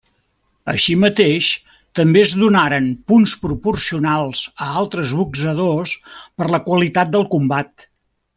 Així mateix també es donaren punts proporcionals a altres boxadors per la qualitat del combat.